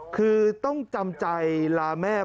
คือต้องจำใจลาแม่พระคุณนะครับ